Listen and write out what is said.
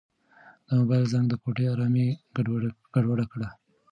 د موبایل زنګ د کوټې ارامي ګډوډه کړه.